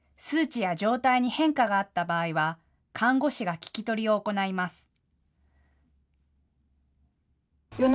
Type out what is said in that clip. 数値や状態に変化があった場合は看護師が聞き取りを行います。